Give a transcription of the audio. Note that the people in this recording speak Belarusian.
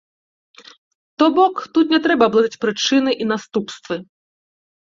То бок, тут не трэба блытаць прычыны і наступствы.